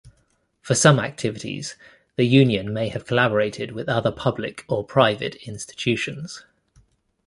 For some activities, the Union may have collaborated with other public or private institutions.